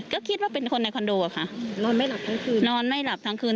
ก็คิดว่าเป็นคนในคอนโดค่ะนอนไม่หลับทั้งคืน